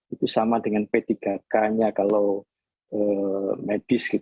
itu sama dengan p tiga k nya kalau medis